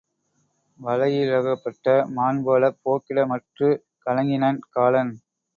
வலையிலகப்பட்ட மான் போலப் போக்கிட மற்றுக் கலங்கினன் காலன்.